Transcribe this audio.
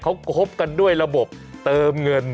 เขาคบกันด้วยระบบเติมเงิน